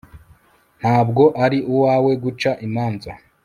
ntabwo ari uwawe guca imanza